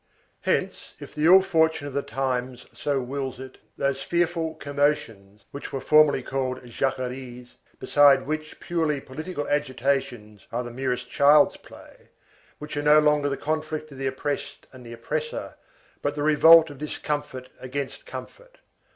Hence, if the ill fortune of the times so wills it, those fearful commotions which were formerly called jacqueries, beside which purely political agitations are the merest child's play, which are no longer the conflict of the oppressed and the oppressor, but the revolt of discomfort against comfort.